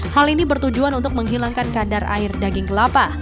hal ini bertujuan untuk menghilangkan kadar air daging kelapa